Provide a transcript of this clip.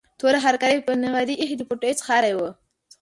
توره هرکاره یې پر نغري ایښې، د پوټیو څښاری و.